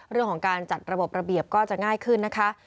เรื่องของการจัดระบบระเบียบก็จะง่ายขึ้นนะคะ